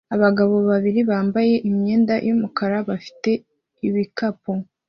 Abagabo babiri bambaye imyenda yumukara bafite ibikapu